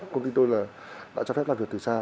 công ty tôi là đã cho phép làm việc từ xa